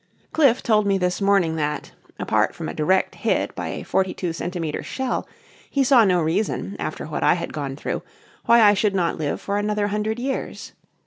Cliffe told me this morning that, apart from a direct hit by a 42 centimetre shell, he saw no reason, after what I had gone through, why I should not live for another hundred years.